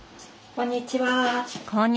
こんにちは。